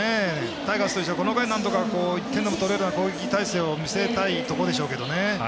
タイガースとしてはこの回１点でも取れれるような攻撃態勢見せたいところですね。